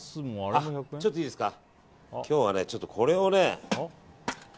ちょっといいですか。